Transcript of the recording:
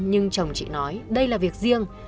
nhưng chồng chị nói đây là việc riêng